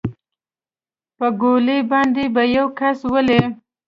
په ګولۍ باندې به يو کس ولې.